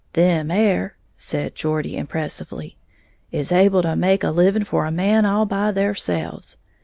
"Them 'ere," said Geordie impressively, "is able to make a living for a man all by theirselves.